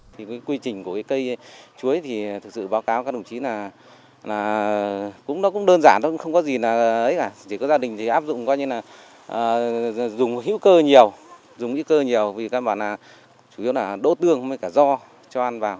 dùng hữu cơ nhiều dùng hữu cơ nhiều vì các bạn là chủ yếu là đỗ tương không phải cả do cho ăn vào